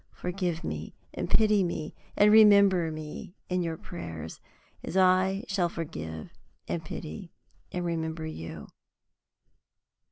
Forgive me, and pity me, and remember me in your prayers, as I shall forgive, and pity, and remember you.